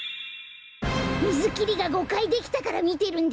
みずきりが５かいできたからみてるんでしょう？